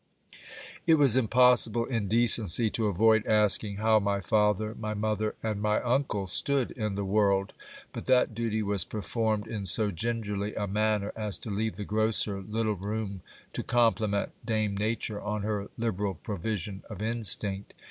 It was impossible in decency to avoid asking how my father, my mother, and my uncle stood in the world ; but that duty was performed in so gingerly a manner, as to leave the grocer little room to compliment dame Nature on her liberal provision of instinct.